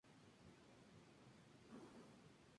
El ábside es de planta semicircular.